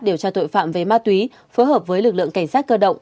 điều tra tội phạm về ma túy phối hợp với lực lượng cảnh sát cơ động